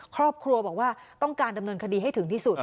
ครอบครัวบอกว่าต้องการดำเนินคดีให้ถึงที่สุด